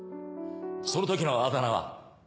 その時のあだ名は？